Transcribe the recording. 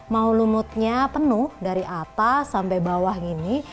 mau lumutnya penuh dari atas sampai bawah gini